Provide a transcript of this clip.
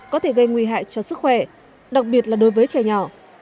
có thể gây nguy hại cho sức khỏe đặc biệt là đối với trẻ nhỏ